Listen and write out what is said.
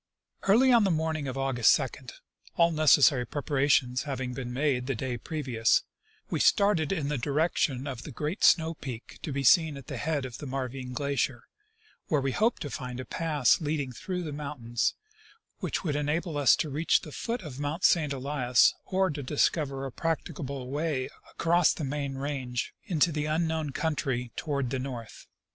, Early on the morning of August 2, all necessary preparations having been made the day previous, we started in the direction of the great snow peak to be seen at the head of the Marvine glacier, where we hoped to find a pass leading through the moun tains which would enable us to reach the foot of Mount St. Elias or to discover a ]3racticable way across the main range into the unknown country toward the north.